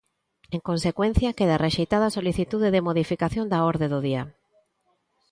En consecuencia, queda rexeitada a solicitude de modificación da orde do día.